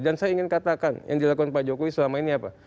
dan saya ingin katakan yang dilakukan pak jokowi selama ini apa